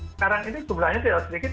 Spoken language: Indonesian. sekarang ini jumlahnya tidak sedikit